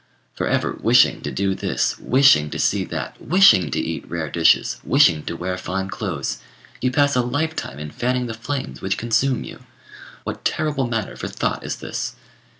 For ever wishing to do this, wishing to see that, wishing to eat rare dishes, wishing to wear fine clothes, you pass a lifetime in fanning the flames which consume you. What terrible matter for thought is this!